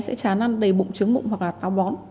sẽ chán ăn đầy bụng trứng mụng hoặc là táo bón